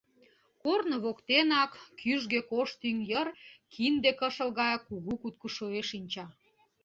Корно воктенак кӱжгӧ кож тӱҥ йыр кинде кышыл гай кугу куткышуэ шинча.